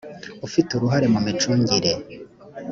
ufite uruhare mu micungire